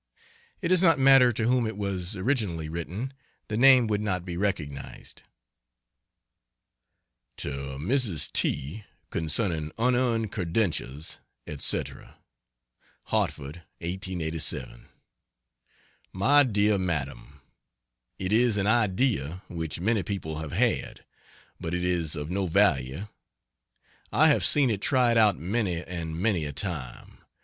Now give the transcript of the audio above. It does not matter to whom it was originally written, the name would not be recognized. To Mrs. T. Concerning unearned credentials, etc. HARTFORD, 1887. MY DEAR MADAM, It is an idea which many people have had, but it is of no value. I have seen it tried out many and many a time.